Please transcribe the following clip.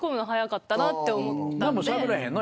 何もしゃべらへんの？